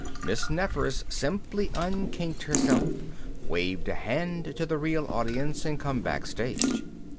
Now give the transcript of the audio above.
Miss Nefer's simply unkinked herself, waved a hand to the real audience and come back stage.